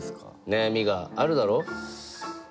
悩みがあるだろう？